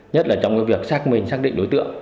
nhất là trong việc xác minh xác định đối tượng